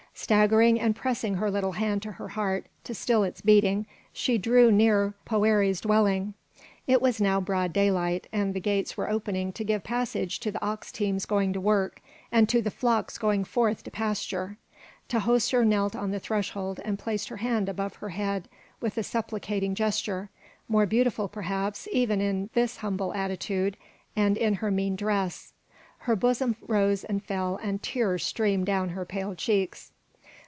Staggering and pressing her little hand to her heart to still its beating, she drew near Poëri's dwelling. It was now broad daylight, and the gates were opening to give passage to the ox teams going to work, and to the flocks going forth to pasture. Tahoser knelt on the threshold and placed her hand above her head with a supplicating gesture, more beautiful, perhaps, even in this humble attitude and in her mean dress. Her bosom rose and fell and tears streamed down her pale cheeks.